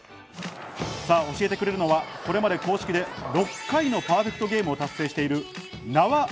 さぁ、教えてくれるのは、これまで公式で６回のパーフェクトゲームを達成している名和秋